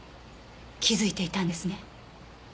気づいていたんですね？